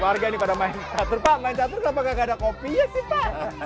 warga ini pada main catur pak main catur kenapa gak ada kopinya sih pak